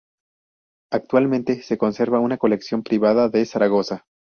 Actualmente se conserva en una colección privada de Zaragoza.